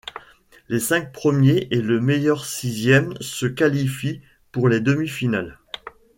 Les cinq premiers et le meilleur sixième se qualifient pour les demi-finales.